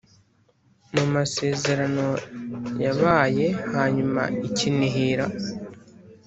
mu masezerano yabaye hanyuma i Kinihira